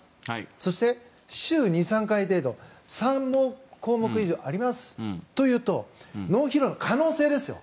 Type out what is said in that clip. そして、週２３回程度３項目以上ありますというと脳疲労の可能性ですよ。